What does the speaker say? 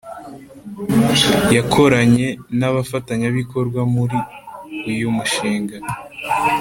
yakoranye n abafatanyabikorwa muri uyu mushinga